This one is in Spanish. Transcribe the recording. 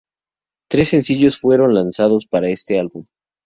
Tres sencillos fueron lanzados para este álbum.